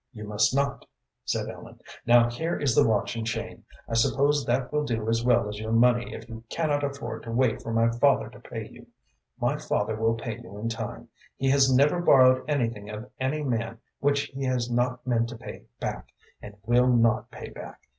"You must not," said Ellen. "Now here is the watch and chain. I suppose that will do as well as your money if you cannot afford to wait for my father to pay you. My father will pay you in time. He has never borrowed anything of any man which he has not meant to pay back, and will not pay back.